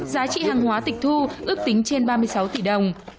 giá trị hàng hóa tịch thu ước tính trên ba mươi sáu tỷ đồng